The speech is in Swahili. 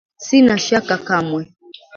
Sina shaka kamwe